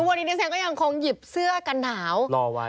ทุกวันนี้น้องเต็มก็ยังคงหยิบเสื้อกำหนาว